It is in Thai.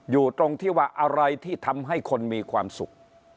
อยู่ตรงที่ว่าอะไรที่ทำให้คนมีความสุข